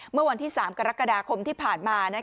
เมื่อวันที่๓กรกฎาคมที่ผ่านมา